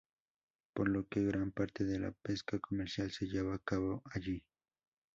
Por lo que gran parte de la pesca comercial se lleva a cabo allí.